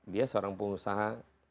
dia seorang pengusaha